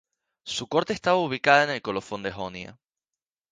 Su corte estaba ubicada en Colofón en Jonia.